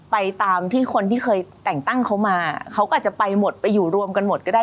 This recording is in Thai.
ไปตามที่คนที่เคยแต่งตั้งเขามาเขาก็อาจจะไปหมดไปอยู่รวมกันหมดก็ได้